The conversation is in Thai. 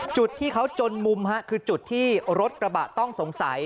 จุดที่เขาจนมุมคือจุดที่รถกระบะต้องสงสัย